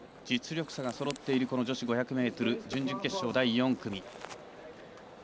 実力者がそろってる女子５００ｍ準々決勝、第４組。